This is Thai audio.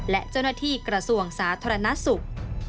และเจ้าหน้าที่กระทรวงสาธารณสุข